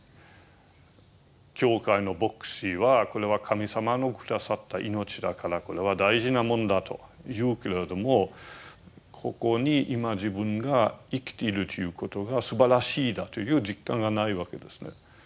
教会の牧師は「これは神様の下さった命だからこれは大事なもんだ」と言うけれどもここに今自分が生きているということがすばらしいだという実感がないわけですね。